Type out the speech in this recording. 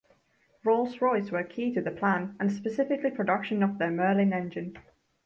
Rolls-Royce were key to the plan, and specifically production of their Merlin engine.